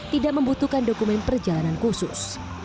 tidak membutuhkan dokumen perjalanan khusus